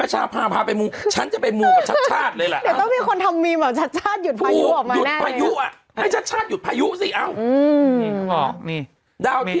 ให้ชัดชาติหยุดพายุสิอะ